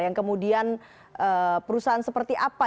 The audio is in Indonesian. yang kemudian perusahaan seperti apa